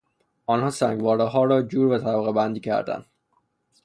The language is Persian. آنها سنگوارهها را جور و طبقهبندی کردند.